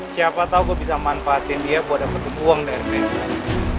siapa tau gue bisa manfaatin dia buat dapet uang dari pesawat